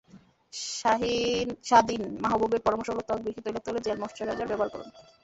শাদীন মাহবুরের পরামর্শ হলো, ত্বক বেশি তৈলাক্ত হলে জেল ময়েশ্চারাইজার ব্যবহার করুন।